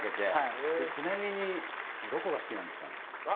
ちなみにどこが好きなんですかね。